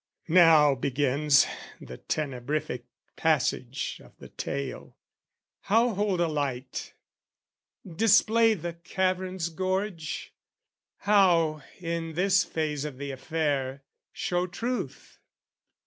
Now begins The tenebrific passage of the tale: How hold a light, display the cavern's gorge? How, in this phase of the affair, show truth?